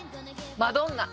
マドンナ。